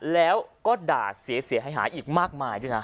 แล้วก็ด่าเสียหายอีกมากมายด้วยนะ